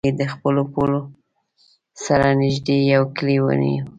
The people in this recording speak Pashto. لومړی یې د خپلو پولو سره نژدې یو کلی ونیو.